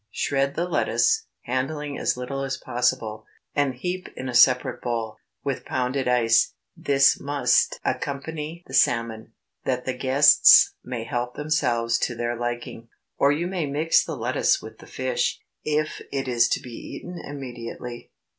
Shred the lettuce, handling as little as possible, and heap in a separate bowl, with pounded ice. This must accompany the salmon, that the guests may help themselves to their liking. Or you may mix the lettuce with the fish, if it is to be eaten immediately.